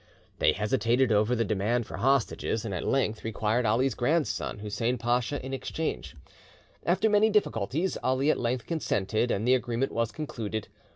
They hesitated over the demand for hostages, and at length required Ali's grandson, Hussien Pacha, in exchange. After many difficulties, Ali at length consented, and the agreement was concluded.